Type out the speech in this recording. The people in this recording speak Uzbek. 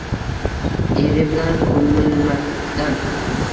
Eri bilan ko’milmakdan